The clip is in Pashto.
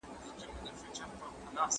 تاسي ولي داسي په ځواب کي پاته سواست؟